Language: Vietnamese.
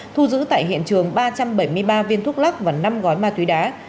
thu giữ tại hiện trường ba trăm bảy mươi ba viên thuốc lắc và năm gói ma túy đá